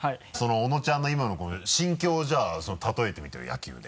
小野ちゃんの今の心境をじゃあ例えてみてよ野球で。